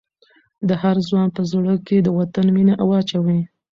د هر ځوان په زړه کې د وطن مینه واچوئ.